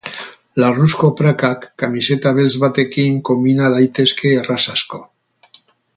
Larruzko prakak kamiseta beltz batekin konbina daitezke erraz asko.